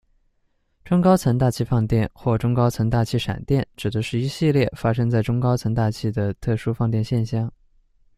中高层大气放电或中高层大气闪电指的是一系列发生在中高层大气的特殊放电现象。